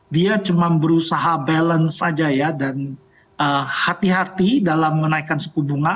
dia cuma berusaha balance saja ya dan hati hati dalam menaikkan suku bunga